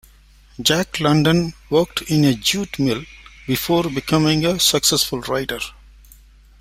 Jack London worked in a jute mill before becoming a successful writer.